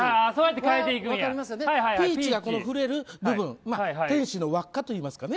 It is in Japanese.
ピーチが触れる部分天使の輪っかといいますかね。